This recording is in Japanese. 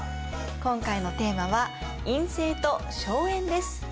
今回のテーマは「院政と荘園」です。